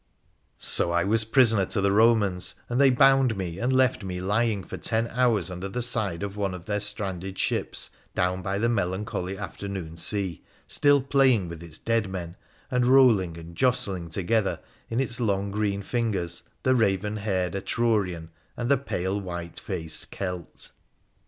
So I was prisoner to the Eomans, and they bound me, and left me lying for ten hours under the side of one of their etranded ships, down by the melancholy afternoon sea, still playing with its dead men, and rolling and jostling together in its long green fingers the raven haired Etrurian and the pale, white faced Celt.